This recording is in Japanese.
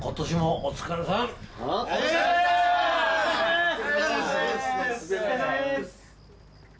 お疲れさまです！